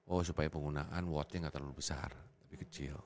oh supaya penggunaan watt nya gak terlalu besar lebih kecil